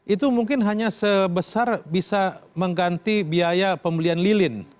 itu mungkin hanya sebesar bisa mengganti biaya pembelian lilin